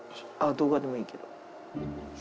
動画でもいいけど。